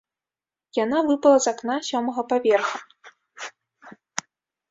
Яна выпала з акна сёмага паверха.